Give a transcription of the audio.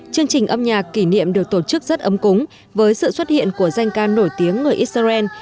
chương trình âm nhạc kỷ niệm được tổ chức rất ấm cúng với sự xuất hiện của danh ca nổi tiếng người israel